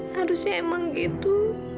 harusnya emang gitu